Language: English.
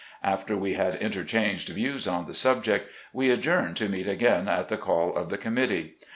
After we had interchanged views on the subject, we adjourned to meet again at the call of the com mittee.